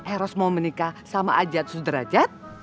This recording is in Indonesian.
eros mau menikah sama ajat sudrajat